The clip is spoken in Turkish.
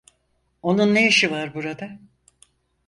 Onun ne işi var burada?